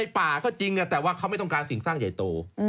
เพราะว่าเขาไม่ต้องการสิ่งสร้างใหญ่โต